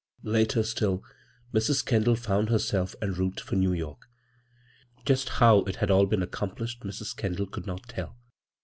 Later still Mrs. Kendall found herself en route for New York, Just how it had all been accomplished Mrs. Kendail could not tell.